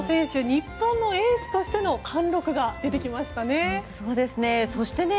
日本のエースとしての貫禄が出てきましたね。